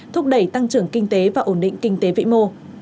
thúc đẩy tăng trưởng kinh tế và ổn định kinh tế vĩ mô